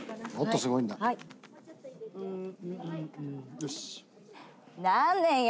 よし。